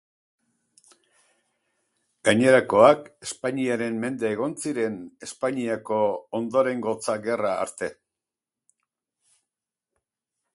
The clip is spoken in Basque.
Gainerakoak Espainiaren mende egon ziren Espainiako Ondorengotza Gerra arte.